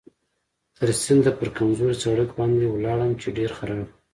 تر سینده پر کمزوري سړک باندې ولاړم چې ډېر خراب و.